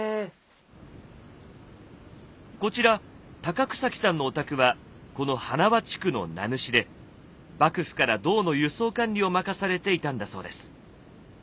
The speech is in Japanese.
こちら草木さんのお宅はこの花輪地区の名主で幕府から銅の輸送管理を任されていたんだそうです。